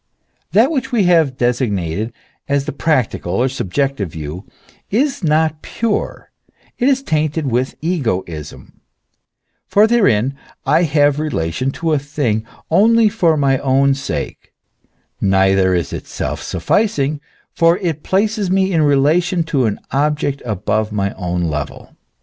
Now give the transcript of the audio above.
That which we have designated as the practical or subjective view is not pure, it is tainted with egoism, for therein I have relation to a thing only for my own sake ; neither is it self sufficing, for it places me in relation to an object above my own level.